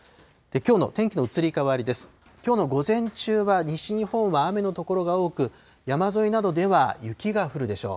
きょうの午前中は、西日本は雨の所が多く、山沿いなどでは雪が降るでしょう。